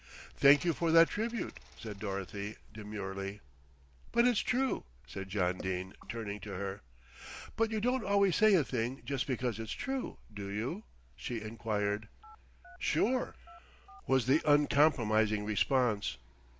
"Thank you for that tribute," said Dorothy demurely. "But it's true," said John Dene, turning to her. "But you don't always say a thing just because it's true, do you?" she enquired. "Sure," was the uncompromising response.